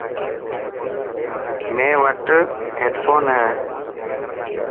ميڻ وٽ هيڊفون هي.